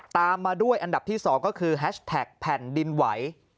ตามมาด้วยอันดับที่๒ก็คือแฮชแท็กแผ่นดินไหว